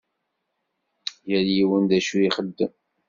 Yal yiwen d acu ixeddem.